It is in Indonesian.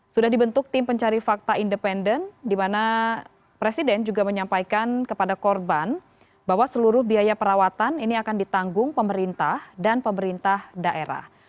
sudah dibentuk tim pencari fakta independen di mana presiden juga menyampaikan kepada korban bahwa seluruh biaya perawatan ini akan ditanggung pemerintah dan pemerintah daerah